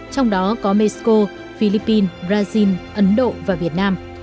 trong đó có mexico philippines brazil ấn độ và việt nam